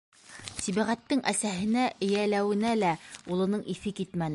Сибәғәттең әсәһенә эйәләүенә лә улының иҫе китмәне.